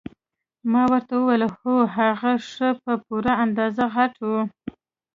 ما ورته وویل هو هغه ښه په پوره اندازه غټ وو.